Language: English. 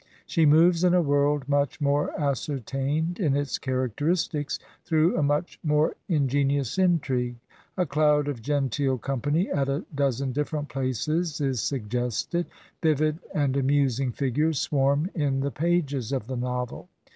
She moves in a world much more ascertained in its characteristics, through a much more ingenious intrigue. A cloud of genteel company at a dozen different places is suggested ; vivid and amus ing figures swarm in the pages of the novel.